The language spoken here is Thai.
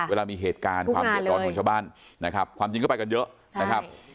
เวลามีเหตุการณ์ความเดือดร้อนของชาวบ้านนะครับความจริงก็ไปกันเยอะนะครับ